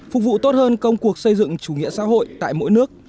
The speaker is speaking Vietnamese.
phục vụ tốt hơn công cuộc xây dựng chủ nghĩa xã hội tại mỗi nước